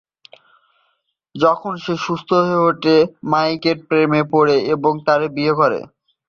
যখন সে সুস্থ হয়ে ওঠে, মাইকেল প্রেমে পড়ে এবং তারা বিয়ে করে।